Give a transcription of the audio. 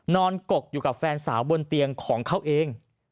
กกอยู่กับแฟนสาวบนเตียงของเขาเอง